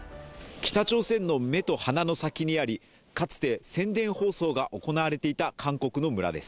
北朝鮮の目と鼻の先にありかつて宣伝放送が行われていた韓国の村です。